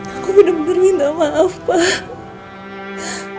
aku bener bener minta maaf pak